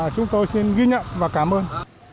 chúng tôi xin ghi nhận và cảm ơn